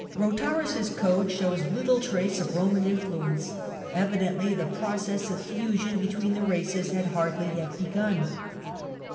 Rotharis' code shows little trace of Roman influence ; evidently the process of fusion between the races had hardly yet begun.